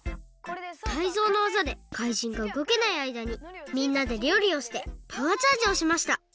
タイゾウのわざでかいじんがうごけないあいだにみんなでりょうりをしてパワーチャージをしました！